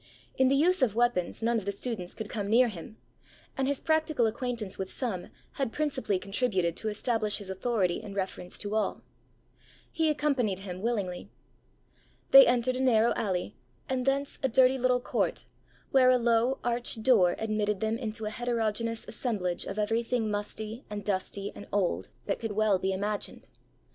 In the use of weapons, none of the students could come near him; and his practical acquaintance with some had principally contributed to establish his authority in reference to all. He accompanied him willingly. They entered a narrow alley, and thence a dirty little court, where a low arched door admitted them into a heterogeneous assemblage of everything musty, and dusty, and old, that could well be imagined.